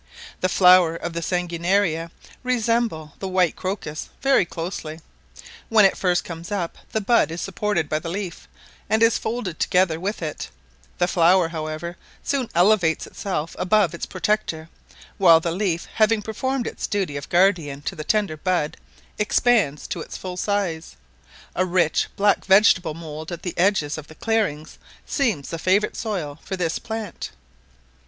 The flowers of the sanguinaria resemble the white crocus very closely: when it first comes up the bud is supported by the leaf, and is folded together with it; the flower, however, soon elevates itself above its protector, while the leaf having performed its duty of guardian to the tender bud, expands to its full size. A rich black vegetable mould at the edges of the clearings seems the favourite soil for this plant.